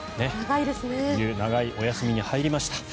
長いお休みに入りました。